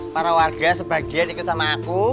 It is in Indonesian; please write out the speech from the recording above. para warga sebagian ikut sama aku